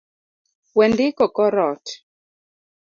Wendiko kor ot